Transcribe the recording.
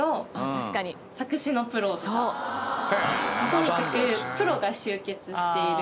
とにかくプロが集結している。